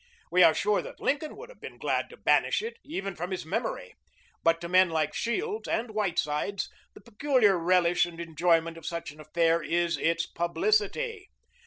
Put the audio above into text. We are sure that Lincoln would have been glad to banish it, even from his memory; but to men like Shields and Whitesides, the peculiar relish and enjoyment of such an affair is its publicity.